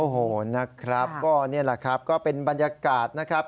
โอ้โหนะครับก็นี่แหละครับก็เป็นบรรยากาศนะครับ